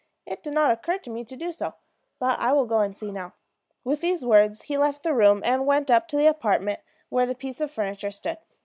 "It did not occur to me to do so. But I will go and see now." With these words he left the room, and went up to the apartment where the piece of furniture stood.